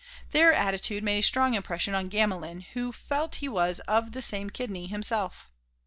Their attitude made a strong impression on Gamelin who felt he was of the same kidney himself.